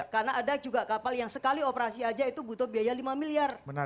karena ada juga kapal yang sekali operasi aja itu butuh biaya lima miliar